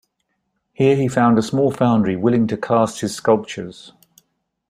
Here he found a small foundry willing to cast his sculptures.